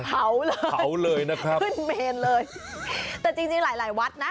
เผาเลยนะครับขึ้นเมนเลยแต่จริงหลายวัดนะ